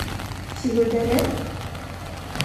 Сигеүҙәрен?